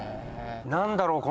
何だろう？